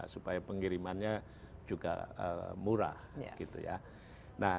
supaya pengirimannya juga murah